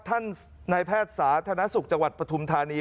ท่านนายแพทย์สาธารณสุขจังหวัดปฐุมธานี